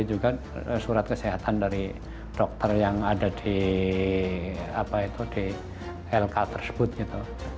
jadi juga surat kesehatan dari dokter yang ada di lk tersebut